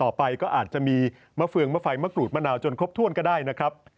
ต่อไปก็อาจจะมีมะเฟืองมะไฝมหม๊ะกรูดมะนาวจนครบถ้วนก็ก็ได้นะครับ